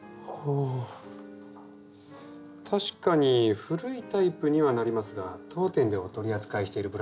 確かに古いタイプにはなりますが当店でお取り扱いしているブランドのものですね。